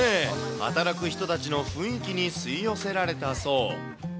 働く人たちの雰囲気に吸い寄せられたそう。